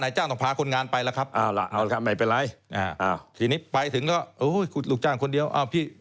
หน่ายจ้างต้องพาคนงานไปแล้วครับ